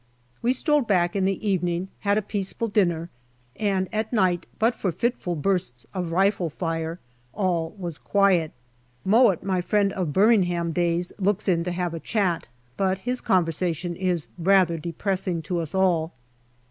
We strolled back in the evening, had a peaceful dinner, and at night, but for fitful bursts of rifle fire, all was quiet. Mowatt, my friend of Birming ham days, looks in to have a chat, but his conversation is rather depressing to us all.